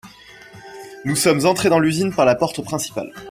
Nous sommes entrés dans l'usine par la porte principale.